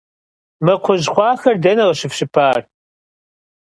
Mı kxhuj xhuaxer dene khışıfşıpar?